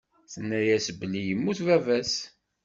Tenna-yas belli yemmut baba-s.